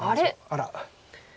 あら。